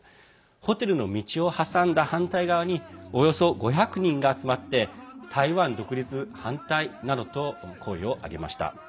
ホテルの道を挟んだ反対側におよそ５００人が集まって台湾独立反対などと声を上げました。